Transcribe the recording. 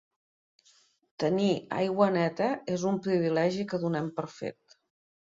Tenir aigua neta és un privilegi que donem per fet.